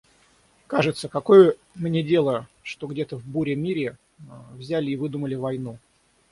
Кажется – какое мне дело, что где-то в буре-мире взяли и выдумали войну?